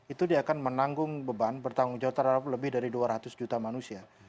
itu dia akan menanggung beban bertanggung jawab terhadap lebih dari dua ratus juta manusia